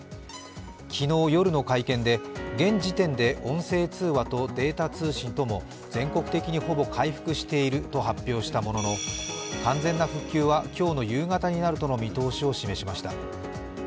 昨日夜の会見で現時点で音声通話とデータ通信とも全国的にほぼ回復していると発表したものの完全な復旧は今日の夕方になるとの見通しを示しました。